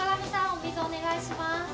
お水お願いします。